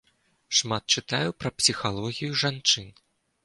Шмат чытаю пра псіхалогію жанчын.